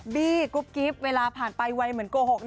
บี่ครูปกิ๊กเวลาผ่านไปไวเหมือนโกหก